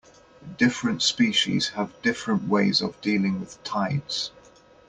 Different species have different ways of dealing with tides.